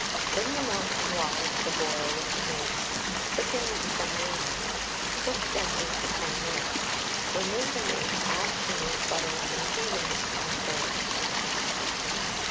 Bring the milk and water to the boil with the mace, thicken with the semolina; cook gently for 10 minutes, remove the mace, add cheese, butter, and seasoning, and serve.